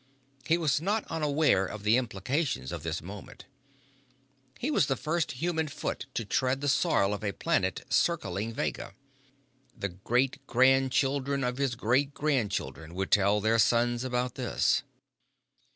He was not unaware of the implications of this moment. His was the first human foot to tread the soil of a planet circling Vega. The great grand children of his great grand children would tell their sons about this.